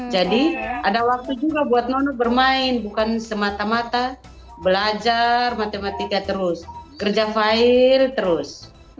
jadi ada waktu juga buat nono bermain bukan semata mata belajar matematika terus kerja file terus